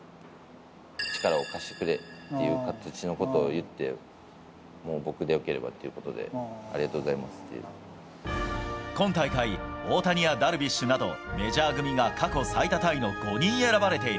力を貸してくれっていう形のことを言って、もう僕でよければということで、ありがとうござい今大会、大谷やダルビッシュなど、メジャー組が過去最多タイの５人選ばれている。